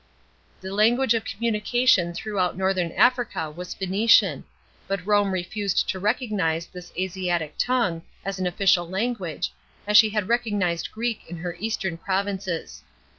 The language of communication throughout northern Africa was Phoenician ; but Rome refused to recognise this Asiatic tongue as an official language, as she had recognised Greek in her eastern provinces.